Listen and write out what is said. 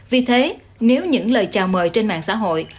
vì thế nếu những lời chào mời trên mạng xã hội